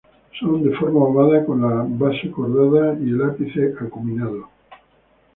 Son de forma ovada con la base cordada y el ápice acuminado.